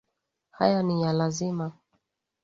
Haya ni ya lazima;